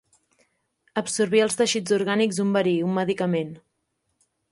Absorbir els teixits orgànics un verí, un medicament.